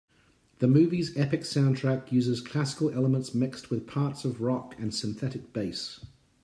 The movie's epic soundtrack uses classical elements mixed with parts of rock and synthetic bass.